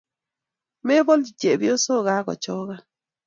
mebolchi chepyosoo kokakochokan